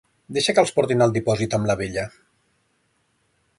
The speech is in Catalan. Deixa que els portin al dipòsit amb la vella.